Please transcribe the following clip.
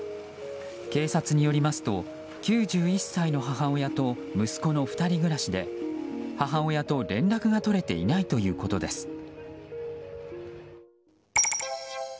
警察によりますと９１歳の母親と息子の２人暮らしで母親と連絡が取れていないということです。